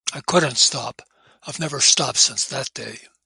I couldn't stop - I've never stopped since that day.